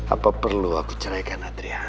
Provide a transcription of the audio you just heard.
apa perlu aku ceraikan adriah